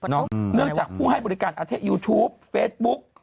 เนื่องจากผู้ให้บริการอาเทยูทูปเฟซบุ๊ก